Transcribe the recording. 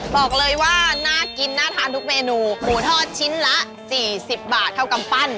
บอกเลยว่าน่ากินน่าทานทุกเมนูหมูทอดชิ้นละ๔๐บาทเท่ากำปั้น